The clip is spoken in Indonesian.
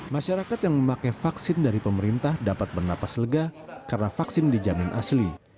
masyarakat yang memakai vaksin dari pemerintah dapat bernapas lega karena vaksin dijamin asli